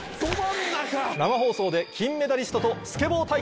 生放送で金メダリストとスケボー対決も！